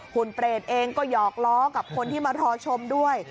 คุณเปรตเองก็หยอกล้อกับคนที่มารอชมด้วย